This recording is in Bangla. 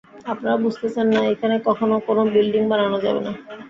আপনারা বুঝতেছেন না, এইখানে কখনও কোন বিল্ডিং বানানো যাবেনা।